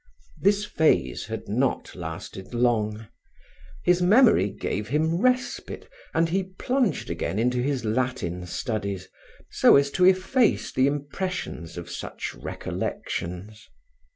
This phase had not lasted long. His memory gave him respite and he plunged again into his Latin studies, so as to efface the impressions of such recollections.